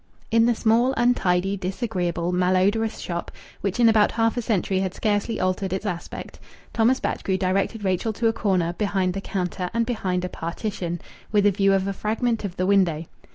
In the small, untidy, disagreeable, malodorous shop, which in about half a century had scarcely altered its aspect, Thomas Batchgrew directed Rachel to a corner behind the counter and behind a partition, with a view of a fragment of the window.